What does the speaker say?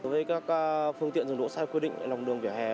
với các phương tiện dùng đỗ sai quy định lòng đường vỉa hè